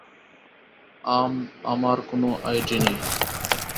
আম-আমার কোনো আইডি নেই।